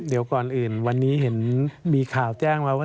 เดี๋ยวก่อนอื่นวันนี้เห็นมีข่าวแจ้งมาว่า